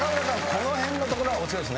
この辺のところはお強いですね。